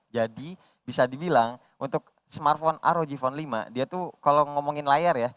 jadi bisa dibilang untuk smartphone rog phone lima dia tuh kalau ngomongin layar ya